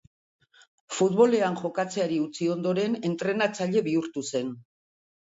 Futbolean jokatzeari utzi ondoren, entrenatzaile bihurtu zen.